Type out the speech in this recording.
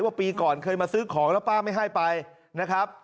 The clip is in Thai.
ปีก่อนเคยมาซื้อของแล้วป้าไม่ให้ไปนะครับ